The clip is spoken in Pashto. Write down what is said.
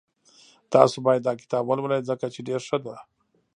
تاسو باید داکتاب ولولئ ځکه چی ډېر ښه ده